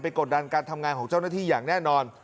กดดันการทำงานของเจ้าหน้าที่อย่างแน่นอน